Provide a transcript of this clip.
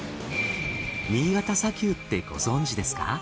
新潟砂丘ってご存じですか？